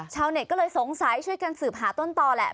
ชาวเน็ตก็เลยสงสัยช่วยกันสืบหาต้นต่อแหละ